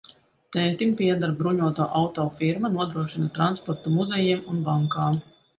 Tētim pieder bruņoto auto firma, nodrošina transportu muzejiem un bankām.